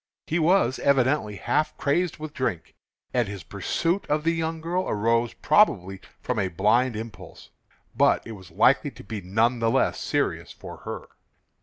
He was evidently half crazed with drink, and his pursuit of the young girl arose probably from a blind impulse; but it was likely to be none the less serious for her.